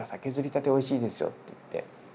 削りたておいしいですよ」って言って。